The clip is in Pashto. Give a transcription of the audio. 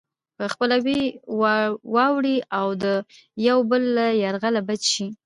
په خپلوۍ واوړي او د يو بل له يرغله بچ شي.